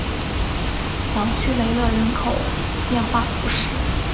朗屈雷勒人口变化图示